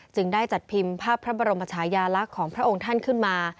ได้จัดพิมพ์ภาพพระบรมชายาลักษณ์ของพระองค์ท่านขึ้นมา